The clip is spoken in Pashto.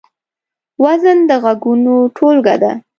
وزن د غږونو ټولګه ده.